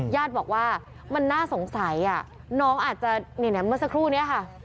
ย่าดบอกว่ามันน่าสงสัยอะน้องอาจจะเหนื่อยเมื่อสักครู่นี้ค่ะ